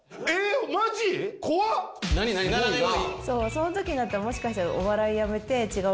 そのときになったらもしかしたら。